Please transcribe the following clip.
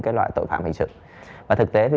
cái loại tội phạm hình sự và thực tế thì